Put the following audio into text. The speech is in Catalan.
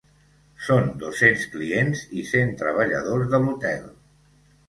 Són dos-cents clients i cent treballadors de l’hotel.